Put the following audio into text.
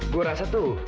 gue rasa tuh